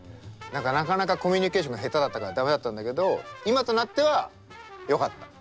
なかなかコミュニケーションが下手だったから駄目だったんだけど今となってはよかった。